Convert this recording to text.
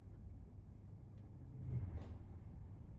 The Kahl Educational Center is located in downtown Davenport.